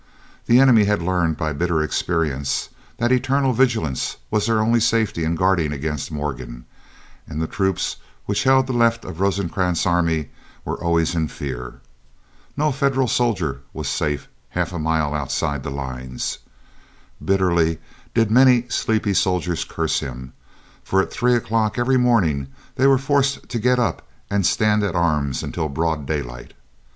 The enemy had learned by bitter experience, that eternal vigilance was their only safety in guarding against Morgan, and the troops which held the left of Rosecrans's army were always in fear. No Federal soldier was safe half a mile outside the lines. Bitterly did many sleepy soldiers curse him, for at three o'clock every morning they were forced to get up and stand at arms until broad daylight.